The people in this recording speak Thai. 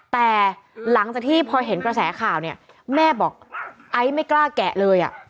แต่หลังจากที่พอเห็นกระแสข่าวเนี่ยแม่บอกไอซ์ไม่กล้าแกะเลย